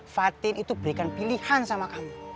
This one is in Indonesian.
fatin itu berikan pilihan sama kamu